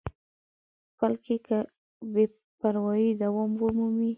بلکې که بې پروایي دوام ومومي.